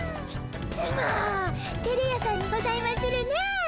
もうてれ屋さんにございまするな。